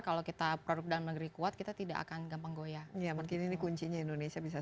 kalau kita produk dalam negeri kuat kita tidak akan gampang goyang ya mungkin ini kuncinya indonesia bisa